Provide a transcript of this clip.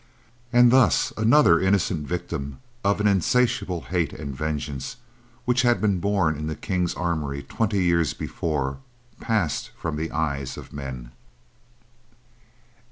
And thus another innocent victim of an insatiable hate and vengeance which had been born in the King's armory twenty years before passed from the eyes of men.